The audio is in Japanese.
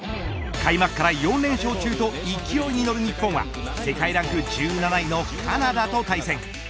開幕から４連勝中と勢いに乗る日本は世界ランク１７位のカナダと対戦。